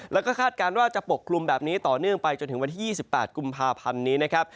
แล้วก็คาดการณ์ว่าจะปกคลุมแบบนี้ต่อเนื่องไปจนถึงวันที่๒๘กุมภาพันธ์นี้นะครับ